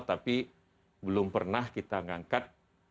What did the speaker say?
tapi belum pernah kita ngangkat